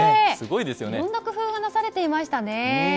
いろんな工夫がなされていましたね。